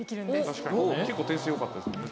確かに結構点数よかったですもんね。